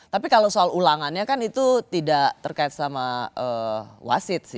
tapi kalau soal ulangannya kan itu tidak terkait sama wasit